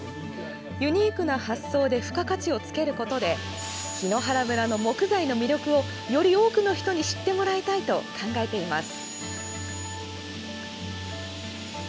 ユニークな発想で付加価値をつけることで檜原村の木材の魅力をより多くの人に知ってもらいたいと考えています。